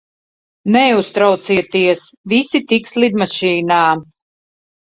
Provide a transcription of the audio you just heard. Neuztraucieties, visi tiks lidmašīnā.